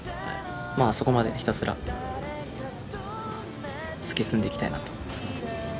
そこまで、ひたすら突き進んでいきたいなと思います。